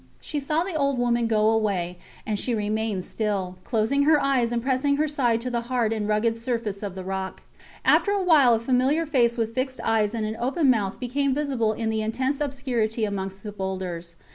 She saw the old woman go away, and she remained still, closing her eyes and pressing her side to the hard and rugged surface of the rock. After a while a familiar face with fixed eyes and an open mouth became visible in the intense obscurity amongst the boulders.